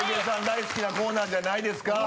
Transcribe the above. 大好きなコーナーじゃないですか？